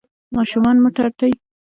ماشومان مه ترټئ.